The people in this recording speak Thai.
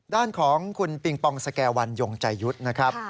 ด้านของคุณปิงปองสแก่วันยงใจยุทธ์นะครับ